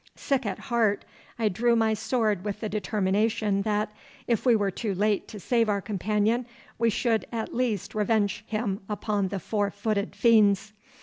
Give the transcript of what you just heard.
Sick at heart, I drew my sword with the determination that, if we were too late to save our companion, we should at least revenge him upon the four footed fiends.